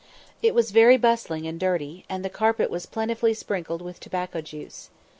It was very bustling and dirty, and the carpet was plentifully sprinkled with tobacco juice.